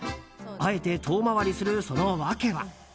あえて遠回りする、その訳は？